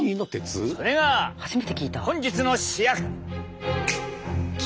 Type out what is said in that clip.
それが本日の主役！